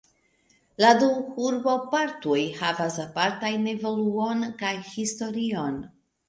La du urbopartoj havas apartajn evoluon kaj historion.